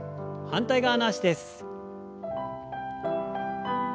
反対側の脚です。